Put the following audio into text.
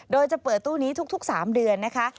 โดยจะเปิดตู้นี้ทุก๓เดือนนะคะ